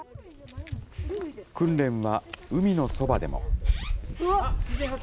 訓練は海のそばでも。